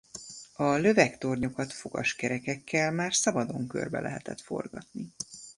A lövegtornyokat fogaskerekekkel már szabadon körbe lehetett forgatni.